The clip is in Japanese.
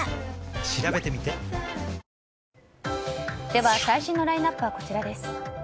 では最新のラインアップはこちらです。